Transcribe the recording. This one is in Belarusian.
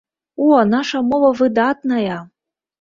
О, наша мова выдатная!